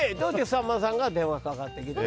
さんまさんから電話かかってきて。